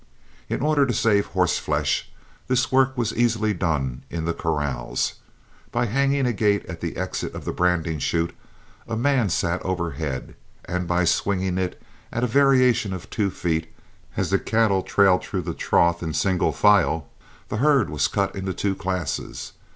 In order to save horseflesh, this work was easily done in the corrals. By hanging a gate at the exit of the branding chute, a man sat overhead and by swinging it a variation of two feet, as the cattle trailed through the trough in single file, the herd was cut into two classes.